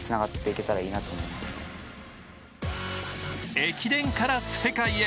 駅伝から世界へ。